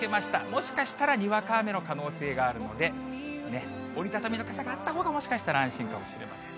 もしかしたらにわか雨の可能性があるので、折り畳みの傘があったほうが、もしかしたら安心かもしれません。